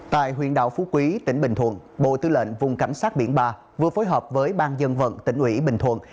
tại huyện đảo phú quý tỉnh bình thuận bộ tư lệnh vùng cảnh sát biển ba vừa phối hợp với ban dân vận tỉnh ủy bình thuận